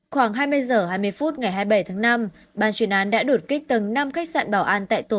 khoảng hai mươi h hai mươi phút ngày hai mươi bảy tháng năm ban chuyên án đã đột kích tầng năm khách sạn bảo an tại tổ